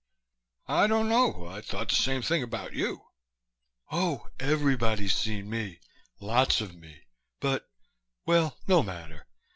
"I don't know. I thought the same thing about you." "Oh, everybody's seen me. Lots of me. But well, no matter.